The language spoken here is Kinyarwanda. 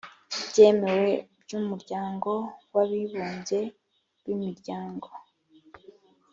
byemewe by'umuryango w'abibumbye, by'imiryango